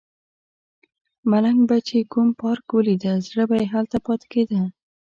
ملنګ به چې کوم پارک ولیده زړه به یې هلته پاتې کیده.